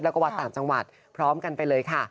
แล้วก็วัดต่างจังหวัดพร้อมกันไปเลยค่ะ